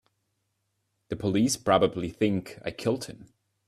The police probably think I killed him.